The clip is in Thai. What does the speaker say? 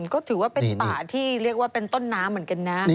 ก็ถือว่าเป็นป่าที่เรียกว่าเป็นต้นน้ำเหมือนกันนะ